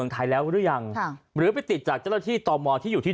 ไทยแล้วหรือยังค่ะหรือไปติดจากเจ้าหน้าที่ต่อมอที่อยู่ที่